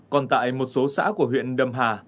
còn tại một số xã của huyện đầm hà